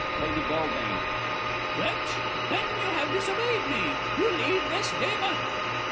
Lady B. Wretch! then you have disobeyed me? You leave this day month!